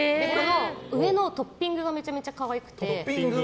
上のトッピングがめちゃくちゃ可愛くて。